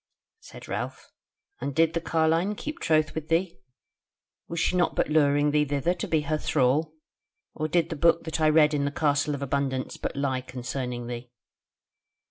Said Ralph: "And did the carline keep troth with thee? Was she not but luring thee thither to be her thrall? Or did the book that I read in the Castle of Abundance but lie concerning thee?"